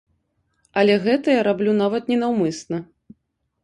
Але гэта я раблю нават не наўмысна.